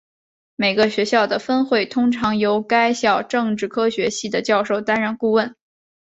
每个学校的分会通常由该校政治科学系的教授担任顾问。